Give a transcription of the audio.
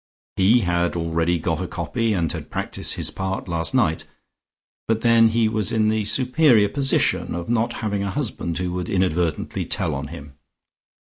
He had already got a copy, and had practised his part last night, but then he was in the superior position of not having a husband who would inadvertently tell on him!